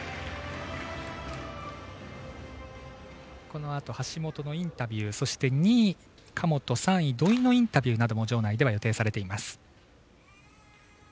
このあと橋本のインタビューそして２位、神本３位、土井のインタビューも場内では予定されています。